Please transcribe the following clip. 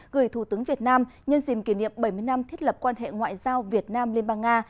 gửi thủ tướng việt nam nhân dìm kỷ niệm bảy mươi năm thiết lập quan hệ ngoại giao việt nam liên bang nga